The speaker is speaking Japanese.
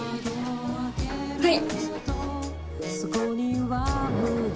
はい！